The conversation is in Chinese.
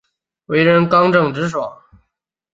为人刚正直爽。